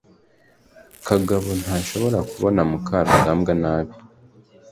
kagabo ntashobora kubona mukarugambwa nabi